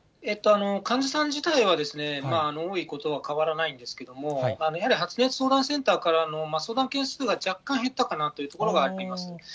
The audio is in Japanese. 患者さん自体は多いことは変わらないんですけれども、やはり発熱相談センターからの相談件数が若干減ったかなというところがあります。